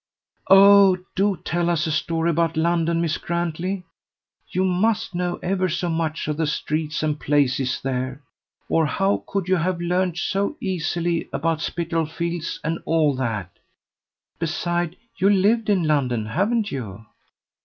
"Oh! do tell us a story about London, Miss Grantley. You must know ever so much of the streets and places there, or how could you have learned so easily about Spitalfields and all that? Beside, you've lived in London, haven't you?"